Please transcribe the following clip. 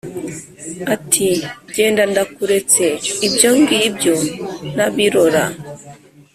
Uti: genda ndakuretseIbyo ngibyo nabirora